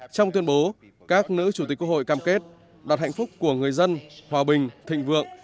trong tuyên bố các nữ chủ tịch quốc hội cam kết đặt hạnh phúc của người dân hòa bình thịnh vượng